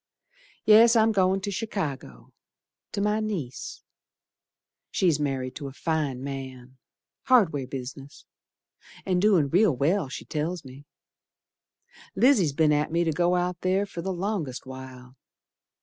Yes, I'm goin' to Chicago, To my niece, She's married to a fine man, hardware business, An' doin' real well, she tells me. Lizzie's be'n at me to go out ther for the longest while.